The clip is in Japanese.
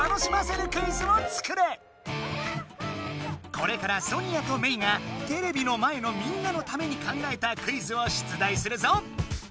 これからソニアとメイがテレビの前のみんなのために考えたクイズをしゅつだいするぞ。